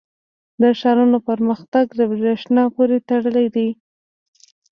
• د ښارونو پرمختګ د برېښنا پورې تړلی دی.